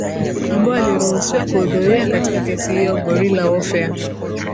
ambao waliruhusiwa kuhudhuria katika kesi hiyo Guerrilla war far